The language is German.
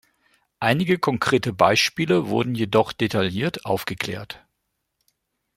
Einige konkrete Beispiele wurden jedoch detailliert aufgeklärt.